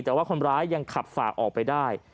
แต่ว่าคนร้ายยังขับฝ่าออกไปได้